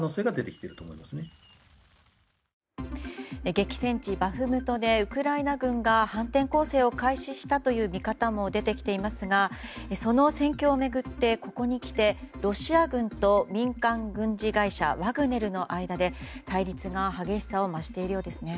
激戦地バフムトでウクライナ軍が反転攻勢を開始したという見方も出てきていますがその戦況を巡ってここにきてロシア軍と民間軍事会社ワグネルの間で対立が激しさを増しているようですね。